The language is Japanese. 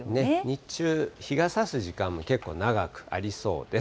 日中、日がさす時間も結構長くありそうです。